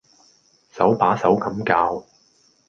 手把手咁教